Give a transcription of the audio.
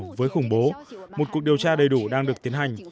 vụ tấn công khủng bố một cuộc điều tra đầy đủ đang được tiến hành